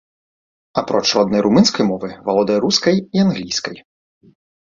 Апроч роднай румынскай мовы, валодае рускай і англійскай.